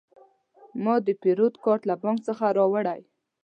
ما د پیرود کارت له بانک څخه راوړی.